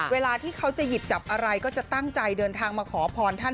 เวลาที่เขาจะหยิบจับอะไรก็จะตั้งใจเดินทางมาขอพรท่าน